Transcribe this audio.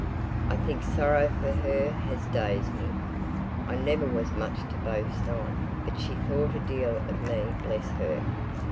I think sorrow for her has dazed me. I never was much to boast on; but she thought a deal of me bless her!